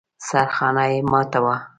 سرخانه يې ماته وه.